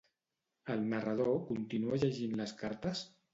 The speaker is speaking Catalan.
El narrador continua llegint les cartes?